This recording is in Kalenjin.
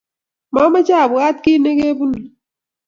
momeche abwat kiit nekebunu